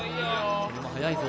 これも早いぞ。